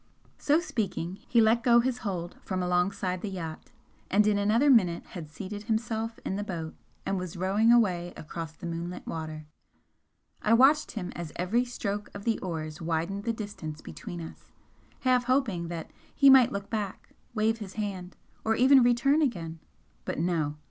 So speaking, he let go his hold from alongside the yacht, and in another minute had seated himself in the boat and was rowing away across the moonlit water. I watched him as every stroke of the oars widened the distance between us, half hoping that he might look back, wave his hand, or even return again but no!